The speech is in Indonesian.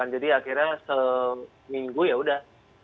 jadi akhirnya seminggu ya sudah